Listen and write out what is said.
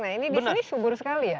nah ini di sini subur sekali ya